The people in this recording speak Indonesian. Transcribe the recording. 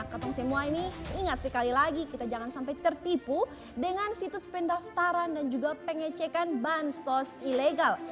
ketemu semua ini ingat sekali lagi kita jangan sampai tertipu dengan situs pendaftaran dan juga pengecekan bansos ilegal